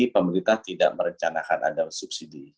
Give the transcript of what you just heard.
pemerintah tidak merencanakan ada subsidi